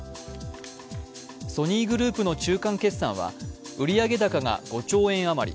ソニーグループの中間けっｓなは売上高が５兆円あまり。